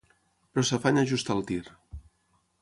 Però s'afanya a ajustar el tir.